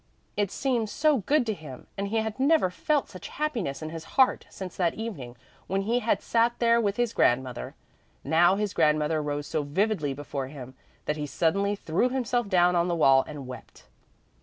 It seemed so good to him and he had never felt such happiness in his heart since that evening when he had sat there with his grandmother. Now his grandmother rose so vividly before him, that he suddenly threw himself down on the wall and wept.